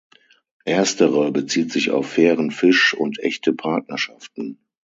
Erstere bezieht sich auf fairen Fisch und echte Partnerschaften.